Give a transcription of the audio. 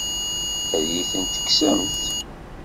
Ad iyi-ten-tekksemt?